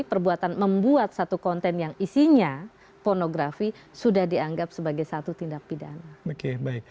perbuatan membuat satu konten yang isinya pornografi sudah dianggap sebagai satu tindak pidana